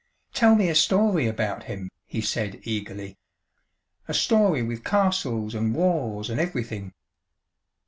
"Tell me a story about him," he said eagerly. "A story with castles, 'n' wars, 'n' everything."